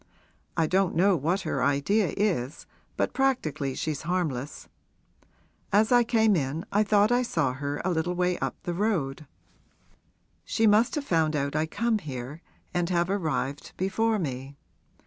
I don't know what her idea is, but practically she's harmless. As I came in I thought I saw her a little way up the road. She must have found out I come here and have arrived before me.